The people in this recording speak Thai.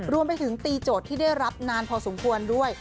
รวมไปถึงตีโจทย์ที่ได้รับนานพอสมควรด้วย